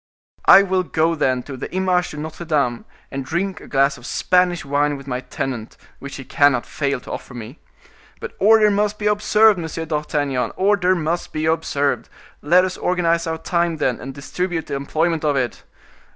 I will go then to the Image de Notre Dame, and drink a glass of Spanish wine with my tenant, which he cannot fail to offer me. But order must be observed, Monsieur d'Artagnan, order must be observed! Let us organize our time, then, and distribute the employment of it!